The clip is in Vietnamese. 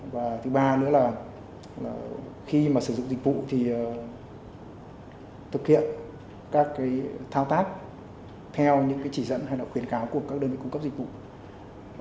và thứ ba nữa là khi mà sử dụng dịch vụ thì thực hiện các cái thao tác theo những cái chỉ dẫn hay là khuyến cáo của các đơn vị cung cấp dịch vụ